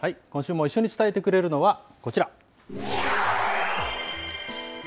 今週も一緒に伝えてくれるのはこちら。